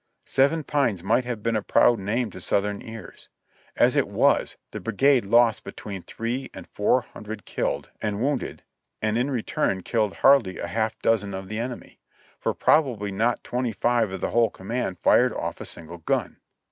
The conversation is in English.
Seven Pines might have been a proud name to Southern ears ; as it was, the brigade lost between three and four hundred killed and wounded and in return killed hardly a half dozen of the enemy; for probably not twenty five of the whole command fired ofT a single gun.